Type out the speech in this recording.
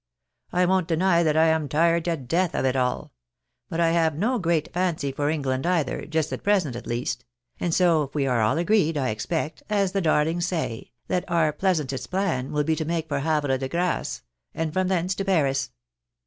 I won't deny that I am tired to death of it all. But I have no great fancy for England either, just at present at least ; and so if we are all agreed, I expect, as the darlings say, that our pleasantest plan will be to make for Havre de Grace, and from thence to Paris.